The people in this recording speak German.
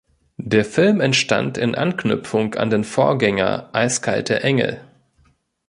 Der Film entstand in Anknüpfung an den Vorgänger Eiskalte Engel.